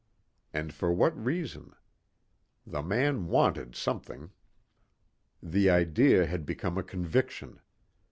And for what reason? The man wanted something. The idea had become a conviction.